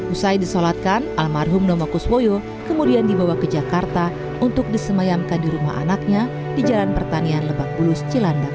usai disolatkan almarhum nomo kuswoyo kemudian dibawa ke jakarta untuk disemayamkan di rumah anaknya di jalan pertanian lebak bulus cilandak